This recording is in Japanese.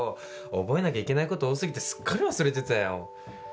覚えなきゃいけないこと多過ぎてすっかり忘れてたよ。